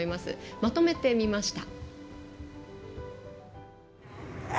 まとめてみました。